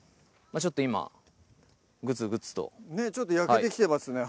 ちょっと今ぐつぐつとねっちょっと焼けてきてますね